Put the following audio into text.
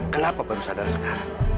kenapa baru sadar sekarang